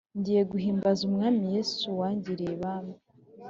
Njye nguhimbaza mwami yesu wangiriye ibambe